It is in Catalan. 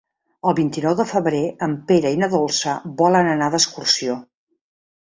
El vint-i-nou de febrer en Pere i na Dolça volen anar d'excursió.